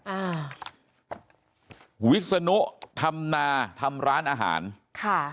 อ่าวิศนุธรรมนาทำร้านอาหารค่ะ